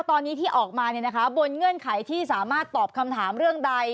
ตอนนี้ที่ออกมาบนเงื่อนไขที่สามารถตอบคำถามเรื่องใด